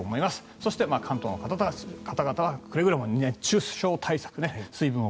そして関東の方々はくれぐれも熱中症対策を。